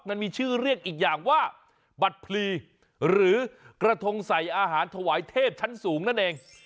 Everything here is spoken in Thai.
มันมีชื่อเรียกอีกอย่างว่าบัตรพลีหรือกระทงใส่อาหารถวายเทพชั้นสูงนั่นเอง